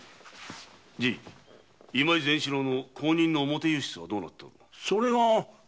今井善四郎の後任の表右筆はどうなっておる？はぃ。